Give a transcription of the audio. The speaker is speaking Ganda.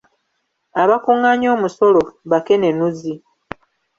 Abakungaanya omusolo bakenenuzi